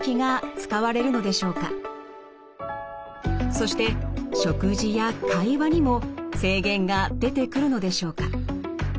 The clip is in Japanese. そして食事や会話にも制限が出てくるのでしょうか？